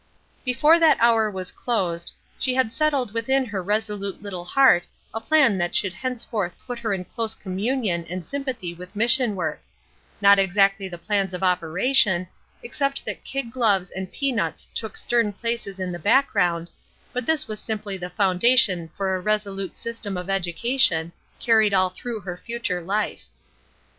Before that hour was closed she had settled within her resolute little heart a plan that should henceforth put her in close communion and sympathy with mission work not exactly the plans of operation, except that kid gloves and peanuts took stern places in the background, but this was simply the foundation for a resolute system of education, carried all through her future life.